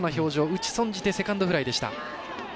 打ち損じてセカンドフライ。